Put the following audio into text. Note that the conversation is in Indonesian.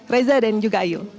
reza dan juga ayu